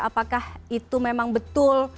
apakah itu memang betul